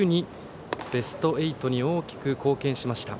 ベスト８に大きく貢献しました。